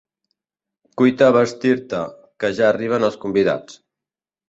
Cuita a vestir-te, que ja arriben els convidats.